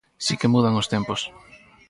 Si que mudan os tempos.